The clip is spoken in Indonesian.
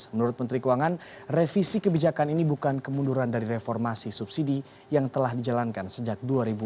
menurut menteri keuangan revisi kebijakan ini bukan kemunduran dari reformasi subsidi yang telah dijalankan sejak dua ribu dua puluh